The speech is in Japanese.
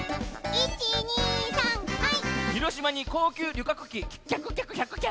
１２３はい！